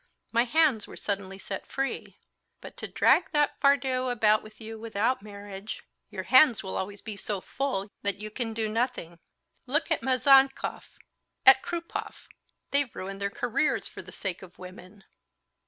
My hands were suddenly set free. But to drag that fardeau about with you without marriage, your hands will always be so full that you can do nothing. Look at Mazankov, at Krupov. They've ruined their careers for the sake of women."